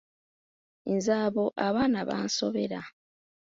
Nze abo abaana bansobera.